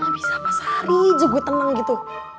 bisa pas hari juga gue tenang gitu